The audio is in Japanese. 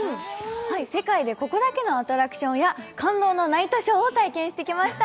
世界でここだけのアトラクションや感動のナイトショーを体験してきました。